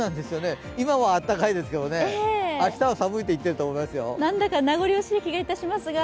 今はあっかいですけど、明日は寒いと言ってると思いますよ。